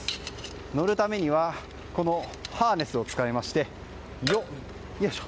乗るためにはハーネスを使いましてよいしょ。